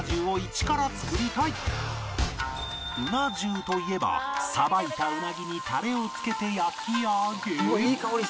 うな重といえばさばいたウナギにタレをつけて焼き上げ